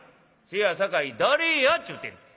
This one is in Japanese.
「せやさかい誰やっちゅうてんねん」。